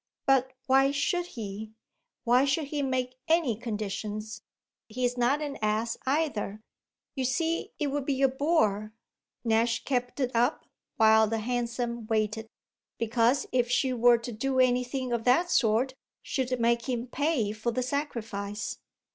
But why should he? why should he make any conditions? He's not an ass either. You see it would be a bore" Nash kept it up while the hansom waited "because if she were to do anything of that sort she'd make him pay for the sacrifice."